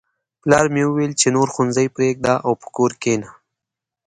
پلار مې وویل چې نور ښوونځی پریږده او په کور کښېنه